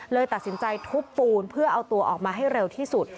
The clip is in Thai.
เลยตัดสินใจทุบปูนเพื่อเอาตัวออกมาให้เร็วที่สุด